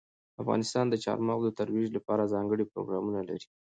افغانستان د چار مغز د ترویج لپاره ځانګړي پروګرامونه لري.